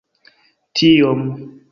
tiom